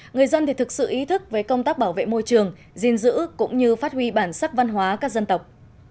người dân thì thực sự ý thức về công tác bảo vệ môi trường gìn giữ cũng như phát huy bản sắc văn hóa các dân tộc